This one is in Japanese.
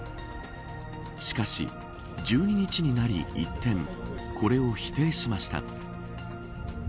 しかし１２日になり一転これを否定しました。